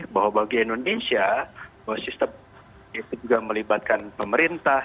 bahwa bagi indonesia bahwa sistem itu juga melibatkan pemerintah